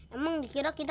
emang dikira kita